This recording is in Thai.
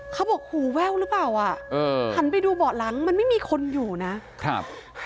เขาบอกหูแววหรือเปล่าหันไปดูเบาะหลังมันไม่มีคนอยู่นะ